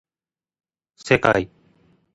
せかい